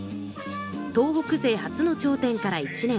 東北勢初の頂点から１年。